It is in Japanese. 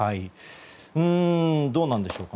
どうなんでしょうか。